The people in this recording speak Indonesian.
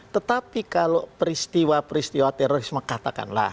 tetapi kalau peristiwa peristiwa terorisme katakanlah